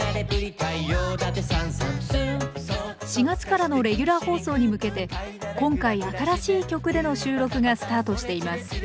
４月からのレギュラー放送に向けて今回新しい曲での収録がスタートしています。